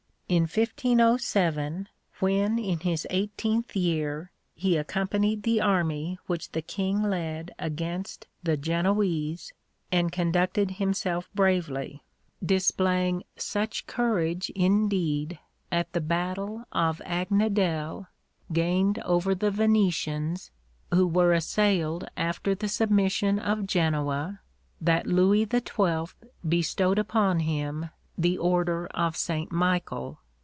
In 1507, when in his eighteenth year, he accompanied the army which the King led against the Genoese, and conducted himself bravely; displaying such courage, indeed, at the battle of Agnadel, gained over the Venetians who were assailed after the submission of Genoa that Louis XII. bestowed upon him the Order of St. Michael.